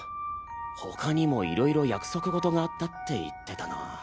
他にも色々約束事があったって言ってたな。